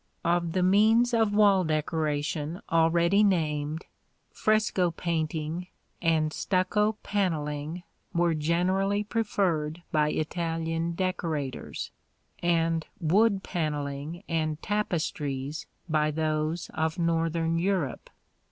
] Of the means of wall decoration already named, fresco painting and stucco panelling were generally preferred by Italian decorators, and wood panelling and tapestries by those of northern Europe.